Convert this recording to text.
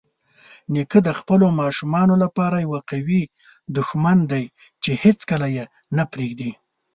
نیکه د خپلو ماشومانو لپاره یوه قوي دښمن دی چې هیڅکله یې نه پرېږدي.